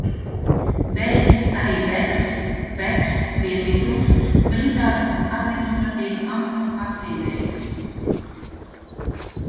Bejs arī begs, beks bija tituls, militāra un administratīva amata apzīmējums.